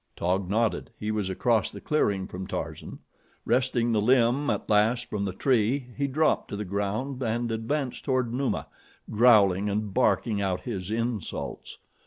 Taug nodded. He was across the clearing from Tarzan. Wresting the limb at last from the tree he dropped to the ground and advanced toward Numa, growling and barking out his insults.